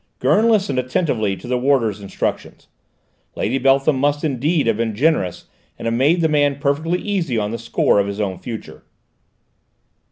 Gurn listened attentively to the warder's instructions. Lady Beltham must, indeed, have been generous and have made the man perfectly easy on the score of his own future.